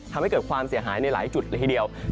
ทำให้เกิดความเสียหายในหลายจุดเลยทีเดียว